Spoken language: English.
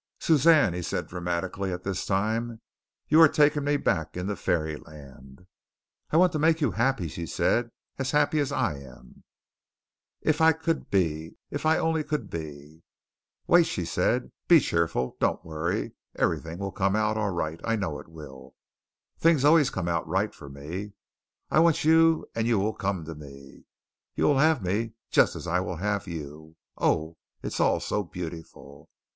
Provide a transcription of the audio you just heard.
"Suzanne," he said dramatically at this time, "you are taking me back into fairyland." "I want to make you happy," she said, "as happy as I am." "If I could be! If I only could be!" "Wait," she said; "be cheerful. Don't worry. Everything will come out all right. I know it will. Things always come right for me. I want you and you will come to me. You will have me just as I will have you. Oh, it is all so beautiful!"